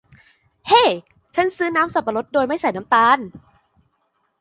เฮ้ฉันซื้อน้ำสับปะรดโดยไม่ใส่น้ำตาล